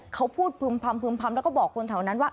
เขาพูดพึ่มพำแล้วก็บอกคนแถวนั้นว่า